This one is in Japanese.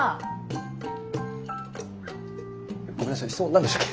ごめんなさい質問何でしたっけ？